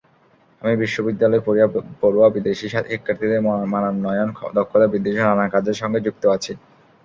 আমি বিশ্ববিদ্যালয়পড়ুয়া বিদেশি শিক্ষার্থীদের মানোন্নয়ন, দক্ষতা বৃদ্ধিসহ নানা কাজের সঙ্গে যুক্ত আছি।